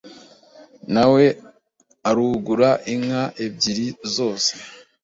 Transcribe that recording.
nawe arugura inka ebyiri zose